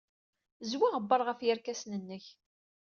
Zwi aɣebbar ɣef yerkasen-nnek.